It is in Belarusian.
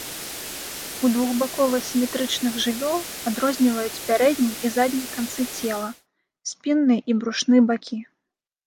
У двухбакова-сіметрычных жывёл адрозніваюць пярэдні і задні канцы цела, спінны і брушны бакі.